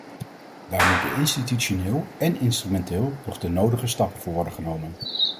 Daar moeten institutioneel en instrumenteel nog de nodige stappen voor worden genomen.